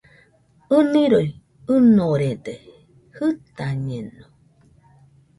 ɨniroi ɨnorede, jɨtañeno